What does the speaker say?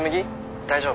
大丈夫？